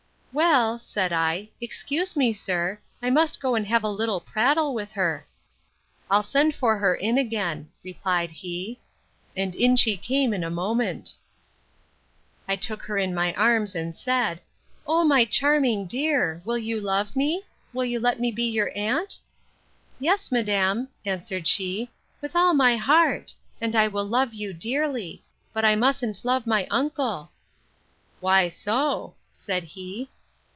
Well, said I, excuse me, sir; I must go and have a little prattle with her. I'll send for her in again, replied he; and in she came in a moment. I took her in my arms, and said, O my charming dear! will you love me?—Will you let me be your aunt? Yes, madam, answered she, with all my heart! and I will love you dearly: But I mustn't love my uncle. Why so? said he.